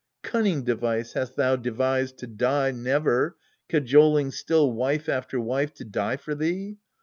Cunning device hast thou devised to die Never, cajoling still wife after wife To die for thee